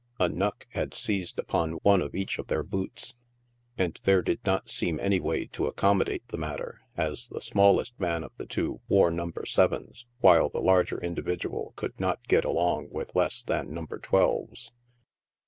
A ,; knuck" had seized upon one of each of their boots, and there did not seem any way to accommo date the matter, as the smallest man of the two wore number sevens, while the larger individual could not get along with less than number twelves.